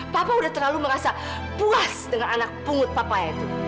papa udah terlalu merasa puas dengan anak pungut papaya itu